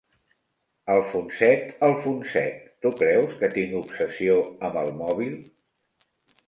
Alfonset, Alfonset, tu creus que tinc obsessió amb el mòbil?